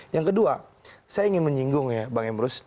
yang kedua saya ingin menyinggung ya bang emrus